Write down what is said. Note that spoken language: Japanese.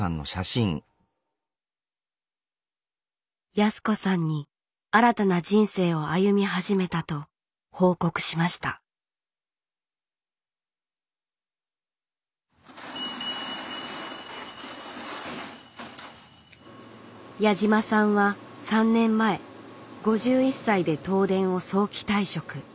ヤス子さんに新たな人生を歩み始めたと報告しました矢島さんは３年前５１歳で東電を早期退職。